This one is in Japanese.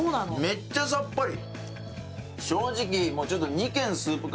めっちゃさっぱり。